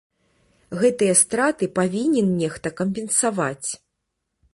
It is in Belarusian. Гэтыя страты павінен нехта кампенсаваць.